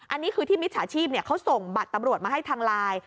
อันนี้คือที่มิจฉาชีพเขาส่งบัตรตำรวจมาให้ทางไลน์